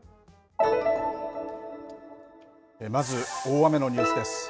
まず、大雨のニュースです。